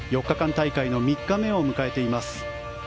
大会の３日目を迎えています。